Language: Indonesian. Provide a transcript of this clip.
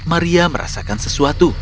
maria merasakan sesuatu